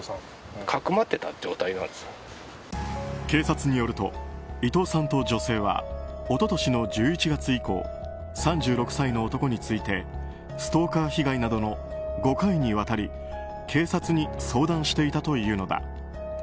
警察によると伊藤さんと女性は一昨年の１１月以降３６歳の男についてストーカー被害など５回にわたり警察に相談していたというのだ。